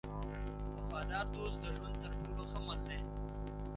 وفادار دوست د ژوند تر ټولو ښه مل دی.